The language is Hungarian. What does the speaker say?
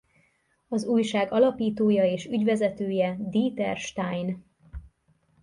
Az újság alapítója és ügyvezetője Dieter Stein.